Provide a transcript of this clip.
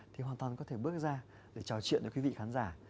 thì hoàn toàn có thể bước ra để trò chuyện với quý vị khán giả